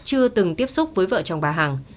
chưa từng tiếp xúc với vợ chồng bà hằng